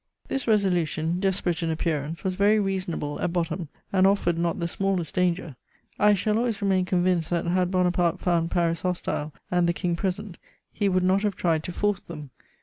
This resolution, desperate in appearance, was very reasonable at bottom and offered not the smallest danger. I shall always remain convinced that, had Bonaparte found Paris hostile and the King present, he would not have tried to force them.